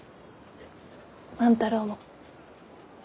万太郎も。